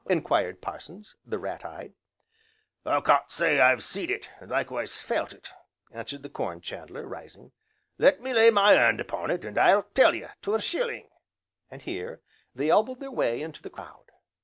enquired Parsons, the rat eyed. "Can't say till I've seed it, and likewise felt it," answered the Corn chandler, rising. "Let me lay my 'and upon it, and I'll tell you to a shilling," and here, they elbowed their way into the crowd.